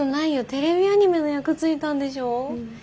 テレビアニメの役ついたんでしょう？